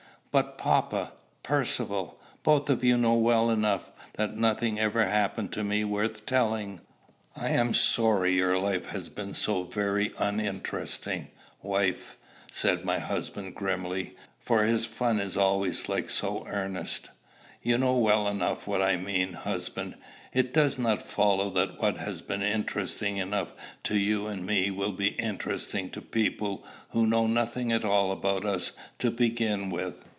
"But papa, Percivale, both of you know well enough that nothing ever happened to me worth telling." "I am sorry your life has been so very uninteresting, wife," said my husband grimly; for his fun is always so like earnest! "You know well enough what I mean, husband. It does not follow that what has been interesting enough to you and me will be interesting to people who know nothing at all about us to begin with."